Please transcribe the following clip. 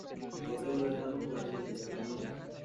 Los otros dos hermanos jugaron en ligas menores.